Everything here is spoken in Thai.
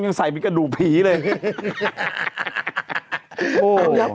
ยังใส่เป็นกระดูกผีเลยพี่